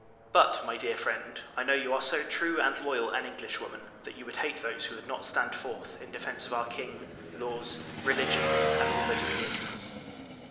But, my dear friend, I know you are so true and loyal an Englishwoman, that you would hate those who would not stand forth in defence of our King, laws, religion, and all that is dear to us.